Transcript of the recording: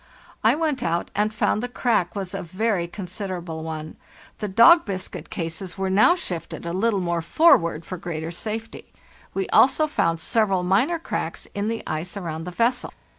I went out, and found the crack was a very con siderable one. The dog biscuit cases were now shifted a little more forward for greater safety. We also found several minor cracks in the ice around the vessel.